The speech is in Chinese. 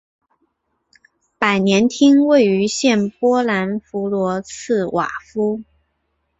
百年厅位于现波兰弗罗茨瓦夫。